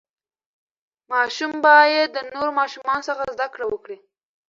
ماشوم باید د نورو ماشومانو څخه زده کړه وکړي.